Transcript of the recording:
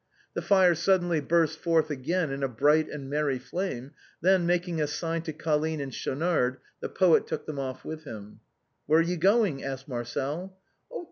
The fire suddenly burst forth again in a bright and merry flame, then making a sign to Colline and Schaunard, the poet took them off with him. "Where are you going?" asked Marcel.